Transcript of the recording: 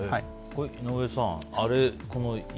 井上さん